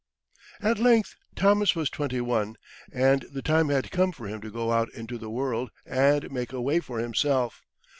At length Thomas was twenty one, and the time had come for him to go out into the world and make a way for himself.